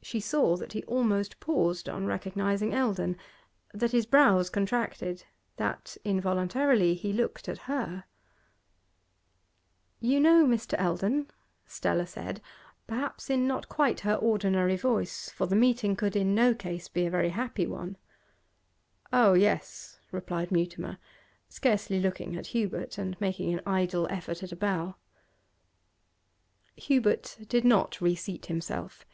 She saw that he almost paused on recognising Eldon, that his brows contracted, that involuntarily he looked at her. 'You know Mr. Eldon,' Stella said, perhaps in not quite her ordinary voice, for the meeting could in no case be a very happy one. 'Oh yes,' replied Mutimer, scarcely looking at Hubert, and making an idle effort at a bow. Hubert did not reseat himself.